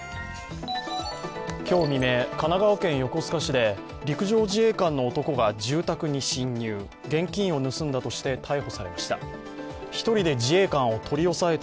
今日未明、神奈川県横須賀市で陸上自衛官の男が住宅に侵入現金を盗んだとして逮捕されました。